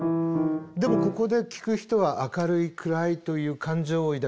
でもここで聴く人は明るい暗いという感情を抱きます。